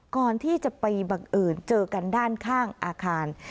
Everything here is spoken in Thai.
ก่อนที่จะไปบังเอิญเจอกันด้านข้างอาคาร